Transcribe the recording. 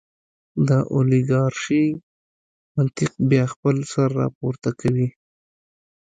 د اولیګارشۍ منطق بیا خپل سر راپورته کوي.